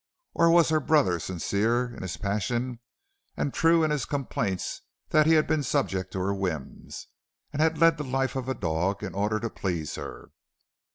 Or was her brother sincere in his passion and true in his complaints that he had been subject to her whims and had led the life of a dog in order to please her.